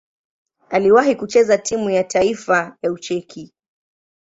Aliwahi kucheza timu ya taifa ya Ucheki.